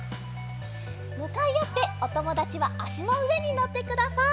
むかいあっておともだちはあしのうえにのってください。